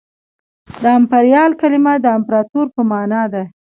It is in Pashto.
د امپریال کلمه د امپراطور په مانا ده